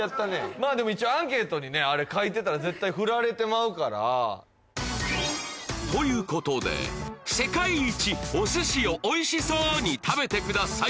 まあでも一応アンケートにねあれ書いてたら絶対振られてまうからということで世界一お寿司をおいしそうに食べてください